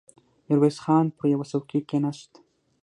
ميرويس خان پر يوه څوکۍ کېناست.